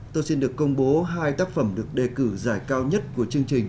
tôi xin được công bố hai tác phẩm được đề cử giải cao nhất của chương trình